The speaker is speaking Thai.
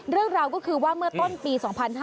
เรื่องราวก็คือว่าเมื่อต้นปี๒๕๕๙